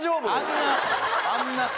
あんなさ。